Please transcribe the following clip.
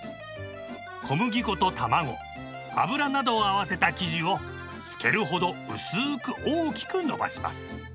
小麦粉と卵油などを合わせた生地を透けるほど薄く大きく延ばします。